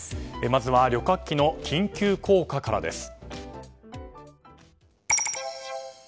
まずは旅客機の緊急降下からです。